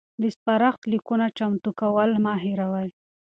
د سپارښت لیکونو چمتو کول مه هیروئ.